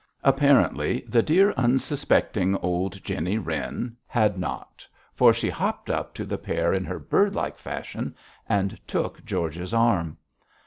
Apparently the dear, unsuspecting old Jenny Wren had not, for she hopped up to the pair in her bird like fashion, and took George's arm.